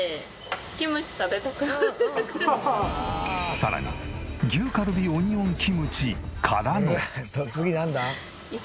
さらに牛カルビオニオンキムチからの。